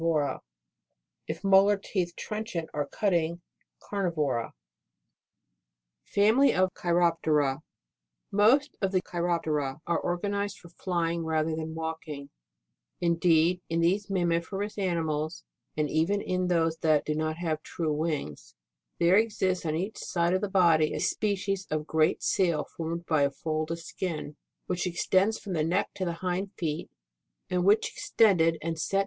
* 58 1 Molar teeth,' trenchant or cut FAMILY OF CHEIROPTERA. 5. Most of the Cheiroptera are organized for flying rather than walking; indeed, in these mammiferous animals, and even in those that have not true wings, there exists, on each side of the body, a species of great sail formed by a fold of the skin, which extends from the neck to the hind feet, and which extended and set 3.